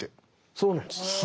そうなんです。